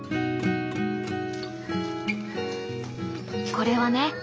これはね